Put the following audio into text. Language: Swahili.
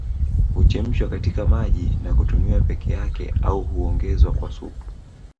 Huchemshwa katika maji na kutumiwa peke yake au huongezwa kwa supu